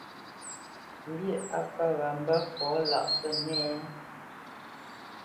Mbî á pə̂ wǎ mbə́ fɔ lâʼ Pənɛ́a a ?